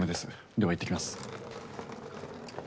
ではいってきます。